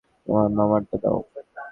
তোমার নম্বরটা দাও!